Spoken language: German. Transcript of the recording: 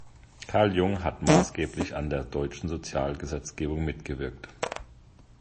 Karl Jung hat maßgeblich an der deutschen Sozialgesetzgebung mitgewirkt.